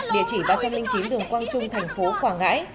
địa chỉ ba trăm linh chín đường quang trung tp cm